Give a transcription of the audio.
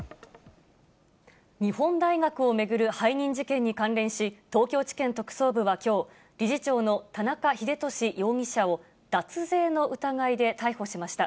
日本大学を巡る背任事件に関連し、東京地検特捜部はきょう、理事長の田中英壽容疑者を脱税の疑いで逮捕しました。